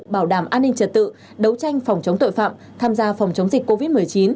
bảo đảm an ninh trật tự đấu tranh phòng chống tội phạm tham gia phòng chống dịch covid một mươi chín